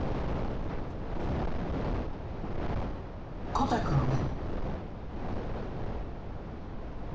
「コタくんへ」。